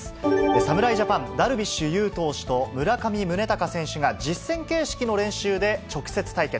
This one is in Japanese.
侍ジャパン、ダルビッシュ有投手と村上宗隆選手が、実戦形式の練習で直接対決。